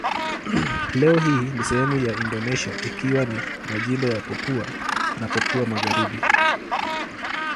Leo hii ni sehemu ya Indonesia ikiwa ni majimbo ya Papua na Papua Magharibi.